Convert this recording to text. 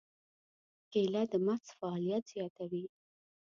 کېله د مغز فعالیت زیاتوي.